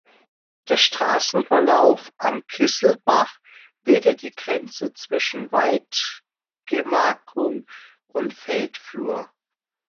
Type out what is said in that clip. Der Straßenverlauf am Kisselbach bildet die Grenze zwischen Waldgemarkung und Feldflur.